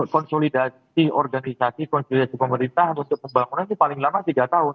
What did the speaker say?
konsolidasi organisasi konsolidasi pemerintahan untuk pembangunan itu paling lama tiga tahun